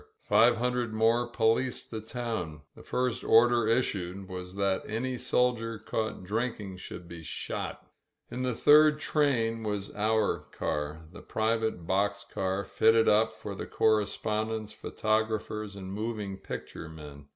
Five hundred more policed the town. The first order issued was that any soldier caught drinking should be shot« In the third train was our car — ^the private box car fitted up for the correspondents, photographers and moving picture men.